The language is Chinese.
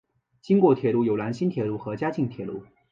经过铁路有兰新铁路和嘉镜铁路。